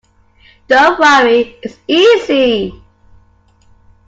Don’t worry, it’s easy.